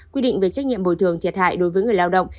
quy định về trách nhiệm bồi thường thiệt hại đối với người lao động